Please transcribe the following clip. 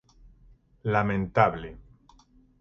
Lamentable.